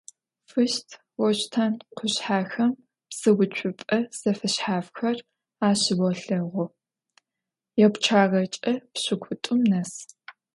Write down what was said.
Фыщт-Ошъутен къушъхьэхэм псыуцупӏэ зэфэшъхьафхэр ащыолъэгъу, япчъагъэкӏэ пшӏыкӏутӏум нэс.